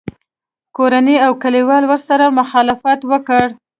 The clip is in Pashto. کورنۍ او کلیوالو ورسره مخالفت وکړ